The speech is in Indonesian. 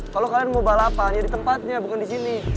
kalau kalian mau balapan ya di tempatnya bukan di sini